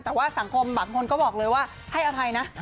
แต่ว่าสังคมบางคนก็บอกเลยว่าให้อภัยนะ